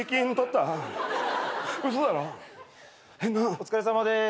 お疲れさまです。